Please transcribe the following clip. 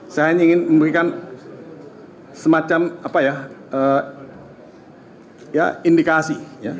saya ingin memberikan semacam indikasi